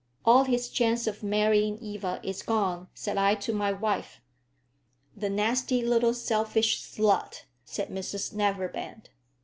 "All his chance of marrying Eva is gone," said I to my wife. "The nasty little selfish slut!" said Mrs Neverbend.